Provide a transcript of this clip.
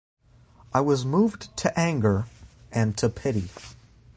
I was moved to anger and to pity.